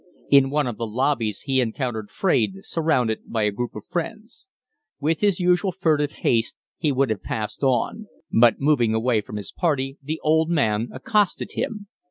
In one of the lobbies he encountered Fraide surrounded by a group of friends. With his usual furtive haste he would have passed on; but, moving away from his party, the old man accosted him.